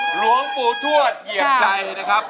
หลวงปู่ทวดเหยียบใจนะครับ